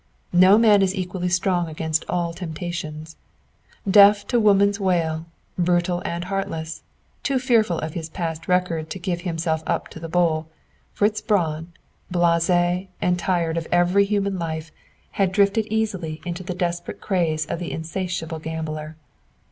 no man is equally strong against all temptations. Deaf to woman's wail; brutal and heartless; too fearful of his past record to give himself up to the bowl, Fritz Braun, blasé and tired of every side of human life, had drifted easily into the desperate craze of the insatiate gambler.